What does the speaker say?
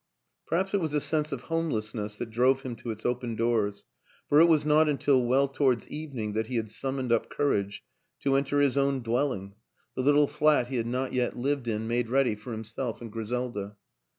Perhaps it was a sense of homelessness that drove him to its open doors for it was not until well towards evening that he had summoned up courage to enter his own dwelling, the little WILLIAM AN ENGLISHMAN 215 flat he had not yet lived in, made ready for him self and Griselda.